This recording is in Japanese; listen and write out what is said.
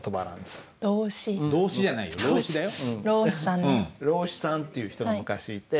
実を言うと老子さんっていう人が昔いて。